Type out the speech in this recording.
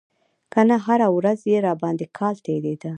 که نه خو هره ورځ يې راباندې کال تېرېده.